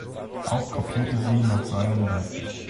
Auch kopierte sie nach seinen Werken.